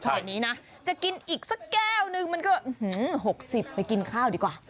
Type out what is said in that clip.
เดี๋ยวนี้นะจะกินอีกสักแก้วนึงมันก็๖๐ไปกินข้าวดีกว่า